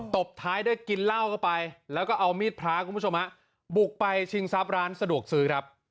ตบท้ายได้กินเหล้าก็ไปเอามีดพระของผู้ชมบุกไปชิงทรัพย์ล้านสะดวกซื้อ